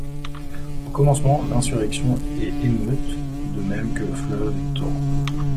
Au commencement l'insurrection est émeute, de même que le fleuve est torrent.